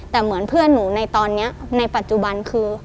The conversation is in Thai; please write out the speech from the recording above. แต่เหมือนเพื่อนหนูในตอนนี้ในปัจจุบันคือ